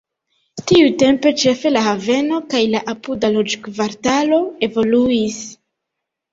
Tiutempe ĉefe la haveno kaj la apuda loĝkvartalo evoluis.